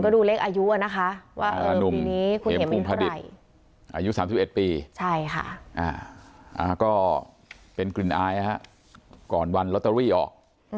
ก็เป็นกลิ่นอายนะครับก่อนวันลอตเตอรี่ออก